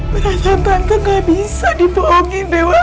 berasa tante gak bisa dibohongin dewa